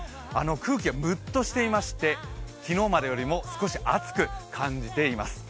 空気がムッとしていまして昨日までよりも少し暑く感じています。